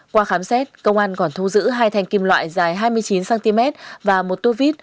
qua khám xét công an còn thu giữ hai thanh kim loại dài hai mươi chín cm và một tua vít